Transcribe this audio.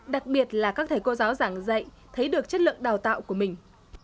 đặc biệt là các thầy cô giáo giảng dạy thấy được chất lượng đào tạo của mình